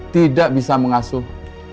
tidak bisa mengasuh